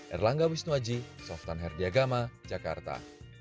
erlangga wisnuaji softan herdiagama jakarta